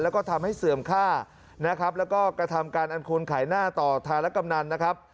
แล้วก็ทำให้เสื่อมค่านะครับแล้วก็กระทำการอันควรขายหน้าต่อธารกำนันนะครับ